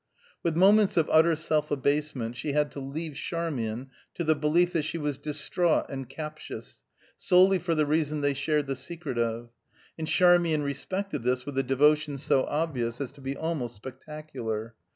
With moments of utter self abasement, she had to leave Charmian to the belief that she was distraught and captious, solely for the reason they shared the secret of, and Charmian respected this with a devotion so obvious as to be almost spectacular.